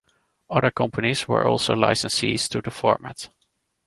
Other companies were also licensees to the format.